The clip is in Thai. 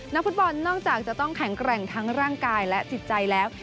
นักฟุตบอลนอกจากจะต้องแข็งแกร่งทั้งร่างกายและจิตใจแล้ว